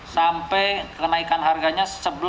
sampai kenaikan harganya